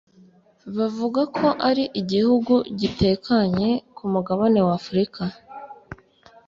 Bavuga ko ari iguhugu gitekanye ku mugabane wa Afurika